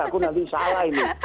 aku nanti salah ini